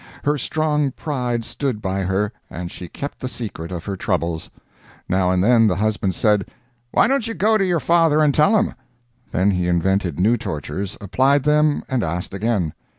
Her strong pride stood by her, and she kept the secret of her troubles. Now and then the husband said, "Why don't you go to your father and tell him?" Then he invented new tortures, applied them, and asked again.